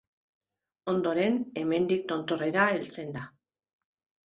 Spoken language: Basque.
Ondoren, hemendik tontorrera heltzen da.